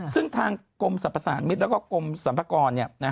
ซึ่งทางกรมสรรพสารมิตรแล้วก็กรมสรรพากร